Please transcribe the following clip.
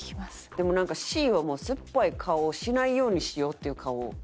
でもなんかＣはもう酸っぱい顔をしないようにしようっていう顔をするよな。